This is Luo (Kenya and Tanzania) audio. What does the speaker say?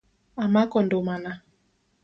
Amako ndumana .